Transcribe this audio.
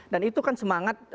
dan itu kan semangat